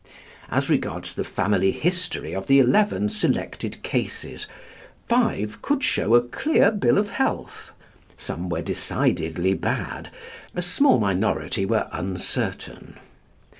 As regards the family history of the eleven selected cases, five could show a clear bill of health, some were decidedly bad, a small minority were uncertain.